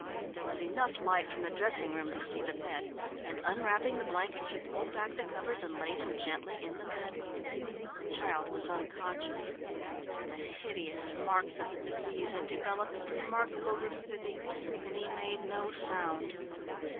There was enough light from the dressing room to see the bed, and unwrapping the blanket she pulled back the covers and laid him gently in the bed. The child was unconscious. The hideous marks of the disease had developed with remarkable rapidity and he made no sound.